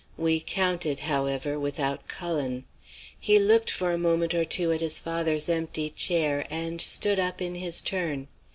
We counted, however, without Cullen. He looked for a moment or two at his father's empty chair, and stood up in his turn.